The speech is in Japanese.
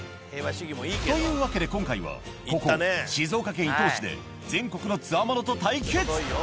というわけで今回は、ここ静岡県伊東市で全国のつわものと対決。